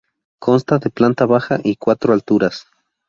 Consta de planta baja y cuatro alturas.